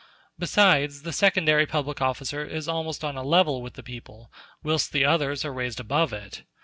Besides, the secondary public officer is almost on a level with the people, whilst the others are raised above it.